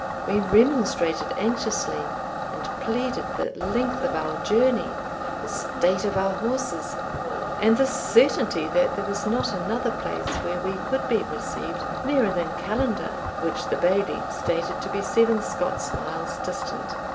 We remonstrated anxiously, and pleaded the length of our journey, the state of our horses, and the certainty that there was not another place where we could be received nearer than Callander, which the Bailie stated to be seven Scots miles distant.